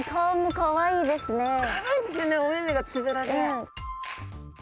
かわいいですよねお目々がつぶらで。